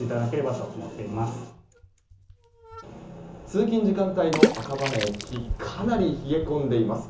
通勤時間帯の赤羽駅かなり冷え込んでいます。